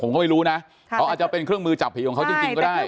ผมไม่รู้นะอาจจะเป็นเครื่องมือจับผีกับเขาจ๊ะ